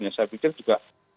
ya saya pikir juga